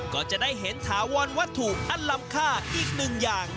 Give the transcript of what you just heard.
ก็จะได้เห็นถาวรวัตถุอันลำค่าอีกหนึ่งอย่าง